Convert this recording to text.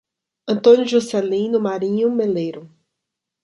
Antônio Juscelino Marinho Meleiro